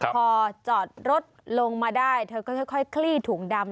พอจอดรถลงมาได้เธอก็ค่อยคลี่ถุงดำ